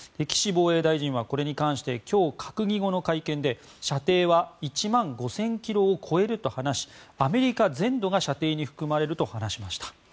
岸防衛大臣は今日、閣議後の会見で射程は１万５０００ｋｍを超えると話しアメリカ全土が射程に含まれると話しました。